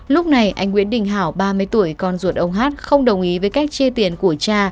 lúc này anh nguyễn đình hảo ba mươi tuổi con ruột ông hát không đồng ý với cách chia tiền của cha